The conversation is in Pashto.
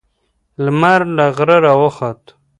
لمر له غره راوخوت.